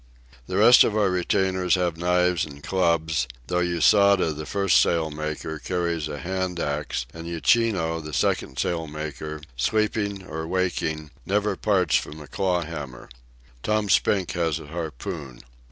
The rest of our retainers have knives and clubs, although Yatsuda, the first sail maker, carries a hand axe, and Uchino, the second sail maker, sleeping or waking, never parts from a claw hammer. Tom Spink has a harpoon.